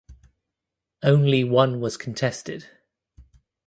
Only one was contested.